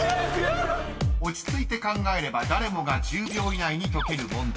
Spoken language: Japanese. ［落ち着いて考えれば誰もが１０秒以内に解ける問題］